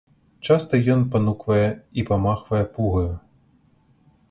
Часта ён пануквае і памахвае пугаю.